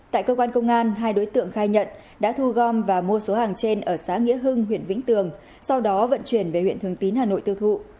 tại cơ quan công an hai đối tượng khai nhận đã thu gom và mua số hàng trên ở xã nghĩa hưng huyện vĩnh tường sau đó vận chuyển về huyện thường tín hà nội tiêu thụ